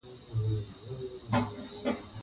دوی باید له خپلو حقونو خبر شي.